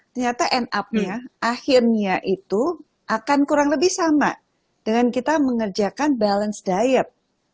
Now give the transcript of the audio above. ternyata end up nya akhirnya itu akan kurang lebih sama dengan kita mengerjakan balance diet